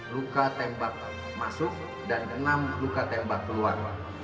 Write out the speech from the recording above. luka tembak masuk dan enam luka tembak keluar